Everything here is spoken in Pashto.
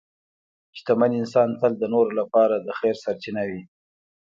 شتمن انسان تل د نورو لپاره د خیر سرچینه وي.